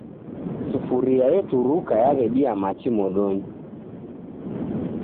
Sufuria eturuka yaw'edia machi modonyi